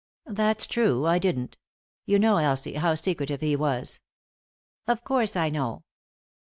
"That's true; I didn't. You know, Elsie, how secretive he was." " Of course I know."